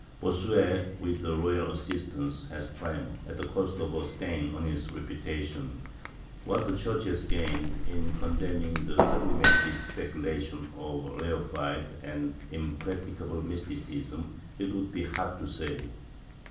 Bossuet, with the royal assistance, had triumphed, at the cost of a stain on his reputation; what the Church had gained, in condemning the sublimated speculations' of a rarefied and impracticable Mysticism, it would be hard to say.